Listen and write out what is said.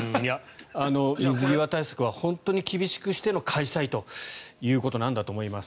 水際対策は本当に厳しくしての開催ということなんだと思います。